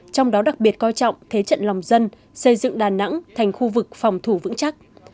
trong đó đặc biệt coi trọng thế trận lòng dân xây dựng đà nẵng thành khu vực phòng thủ vững chắc